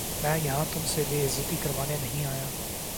میں یہاں تم سے بے عزتی کروانے نہیں آیا